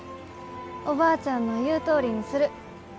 おばあちゃんの言うとおりにする。